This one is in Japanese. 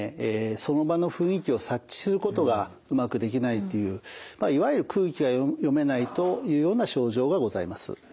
その場の雰囲気を察知することがうまくできないというまあいわゆる空気が読めないというような症状がございます。